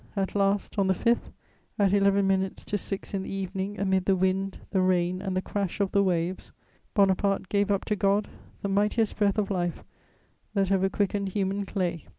At last, on the 5th, at eleven minutes to six in the evening, amid the wind, the rain and the crash of the waves, Bonaparte gave up to God the mightiest breath of life that ever quickened human clay.